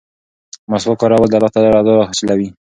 مسواک کارول د الله تعالی رضا حاصلوي.